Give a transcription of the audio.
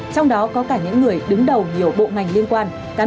trong đó có cả những người đứng đầu nhiều bộ ngành liên quan